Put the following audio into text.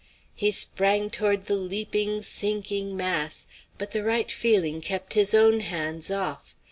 He sprang toward the leaping, sinking mass; but the right feeling kept his own hands off.